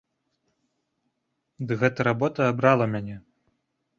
Ды гэта работа абрала мяне!